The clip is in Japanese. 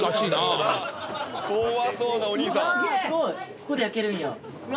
ここで焼けるんや。